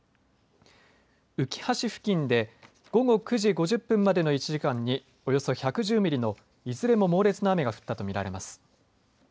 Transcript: うきは市付近で午後９時５０分までの１時間におよそ１１０ミリのいずれも猛烈な雨が降ったと見られます。